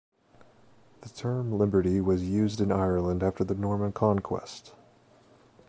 The term "liberty" was used in Ireland after the Norman conquest.